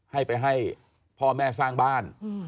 ให้ไปให้พ่อแม่สร้างบ้าน